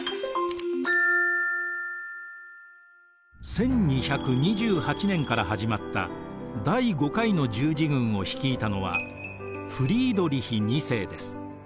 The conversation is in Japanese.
１２２８年から始まった第５回の十字軍を率いたのはフリードリヒ２世です。